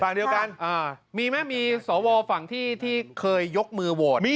ฝั่งเดียวกันมีไหมมีสวฝั่งที่เคยยกมือโหวต